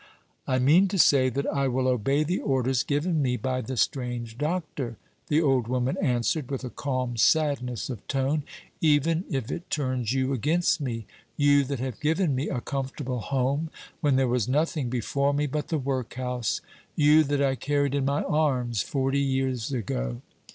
"I mean to say that I will obey the orders given me by the strange doctor," the old woman answered, with a calm sadness of tone, "even if it turns you against me you that have given me a comfortable home when there was nothing before me but the workhouse; you that I carried in my arms forty years ago.